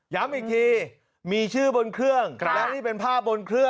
ย้ำอีกทีมีชื่อบนเครื่องและนี่เป็นภาพบนเครื่อง